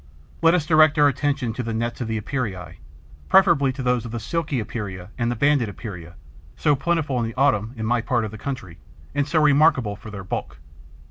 Let us direct our attention to the nets of the Epeirae, preferably to those of the Silky Epeira and the Banded Epeira, so plentiful in the autumn, in my part of the country, and so remarkable for their bulk.